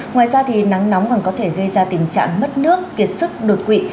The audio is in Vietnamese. ngoài ra thì nắng nóng còn có thể gây ra tình trạng mất nước kiệt sức đột quỵ